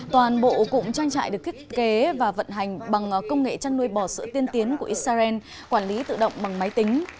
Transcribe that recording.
toàn bộ cụm trang trại được thiết kế và vận hành bằng công nghệ chăn nuôi bò sữa tiên tiến của israel quản lý tự động bằng máy tính